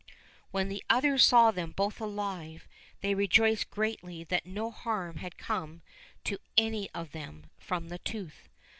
When the others saw them both alive they rejoiced greatly that no harm had come to any of them from the tooth.